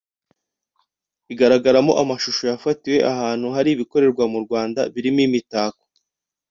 igaragaramo amashusho yafatiwe ahantu hari ibikorerwa mu Rwanda birimo imitako